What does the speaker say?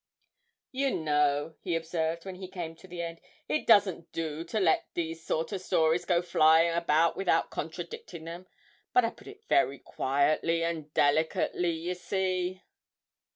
"' 'You know,' he observed when he came to the end, 'it doesn't do to let these sort o' stories go flying about without contradicting them but I put it very quietly and delicately, you see.'